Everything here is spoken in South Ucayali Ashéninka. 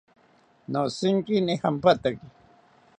Noshinkini jampataki